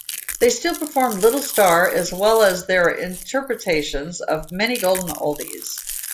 They still perform "Little Star", as well as their interpretations of many golden oldies.